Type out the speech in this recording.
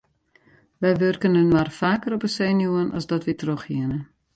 Wy wurken inoar faker op 'e senuwen as dat wy trochhiene.